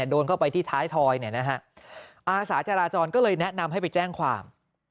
โดนเข้าไปที่ท้ายทอยอาสาธิ์จาราจรก็เลยแนะนำให้ไปแจ้งความ